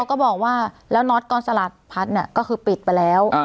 ก็บอกว่าแล้วน็อตกรสลัดพัดก็คือปิดไปแล้ว